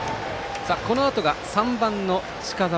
このあとが３番の近澤。